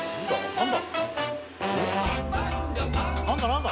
何だ？